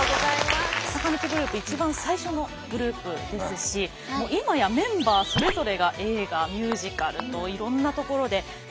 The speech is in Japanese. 坂道グループ一番最初のグループですし今やメンバーそれぞれが映画ミュージカルといろんなところで活躍されている。